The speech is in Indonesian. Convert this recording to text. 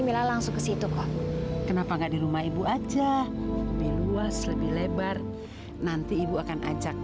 mila langsung ke situ kok kenapa enggak di rumah ibu aja lebih luas lebih lebar nanti ibu akan ajak